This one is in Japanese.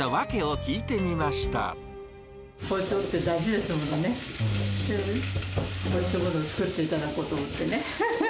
おいしいものを作っていただこうと思ってね。